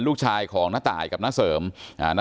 อยากให้สังคมรับรู้ด้วย